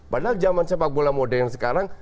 padahal zaman sepak bola modern sekarang